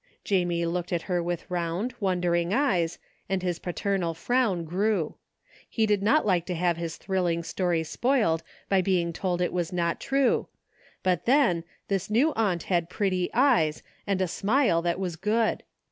Jamie looked at her with round, wondering eyes, and his paternal frown grew. He did not like to have his thrilling story spoiled by being told it was not true, but then, this new aunt had pretty eyes and a smile that was good.